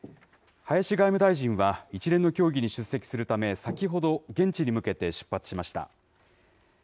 林外務大臣は、一連の協議に出席するため、先ほど、現地に向けて出発しました。